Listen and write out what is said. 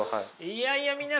いやいや皆さん